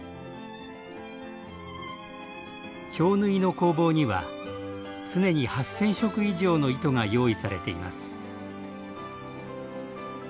京繍の工房には常に８，０００色以上の糸が用意されています。